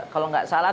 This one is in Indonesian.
kalau tidak salah